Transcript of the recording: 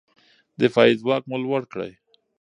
دفاعي ځواک مو لوړ کړئ.